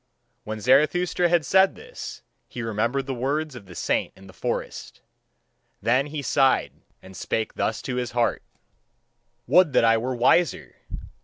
When Zarathustra had said this, he remembered the words of the saint in the forest. Then he sighed and spake thus to his heart: "Would that I were wiser!